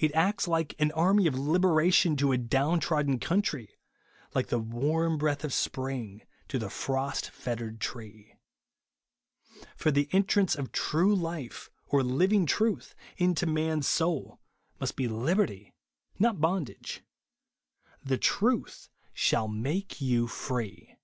It acts like an army of liberation to a down trodden country ; like the warm breath of sjDring to the frost fettered tree. For the entrance of true life, or living truth, into man's soul, must be liberty, not bondage. •' The ivuth shall make you free."